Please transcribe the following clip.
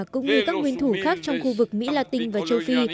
cũng như các nguyên thủ khác trong khu vực mỹ latin và châu phi